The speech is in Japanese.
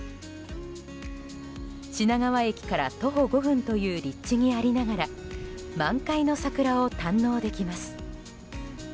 品川駅から徒歩５分という立地にありながら満開の桜を堪能できます。